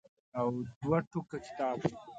دوه ټوکه کتاب و.